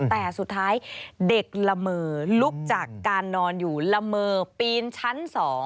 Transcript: แต่สุดท้ายเด็กละเมอลุกจากการนอนอยู่ละเมอปีนชั้น๒